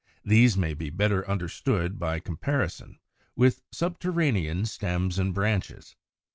These may be better understood by comparison with 103. =Subterranean Stems and Branches.